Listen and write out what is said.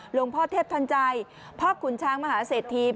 หลวงพ่อเทพทันใจพ่อขุนช้างมหาเศรษฐี